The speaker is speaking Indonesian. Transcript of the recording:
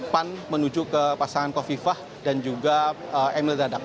pan menuju ke pasangan kofifah dan juga emil dadak